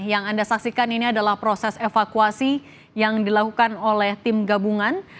yang anda saksikan ini adalah proses evakuasi yang dilakukan oleh tim gabungan